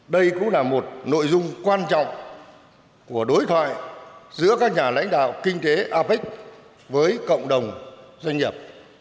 đây cũng là một nội dung quan trọng của đối thoại giữa các nhà lãnh đạo kinh tế apec với cộng đồng doanh nghiệp